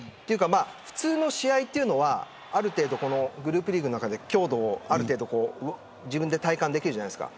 普通の試合というのはある程度、グループリーグの中で強度を体感できるじゃないですか。